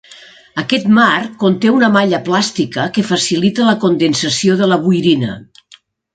Aquest marc conté una malla plàstica que facilita la condensació de la boirina.